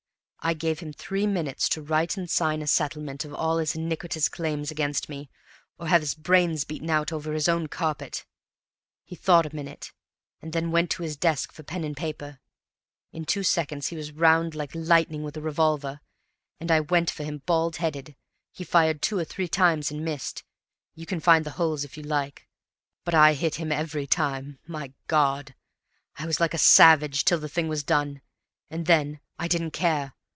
I gave him three minutes to write and sign a settlement of all his iniquitous claims against me, or have his brains beaten out over his own carpet. He thought a minute, and then went to his desk for pen and paper. In two seconds he was round like lightning with a revolver, and I went for him bald headed. He fired two or three times and missed; you can find the holes if you like; but I hit him every time my God! I was like a savage till the thing was done. And then I didn't care.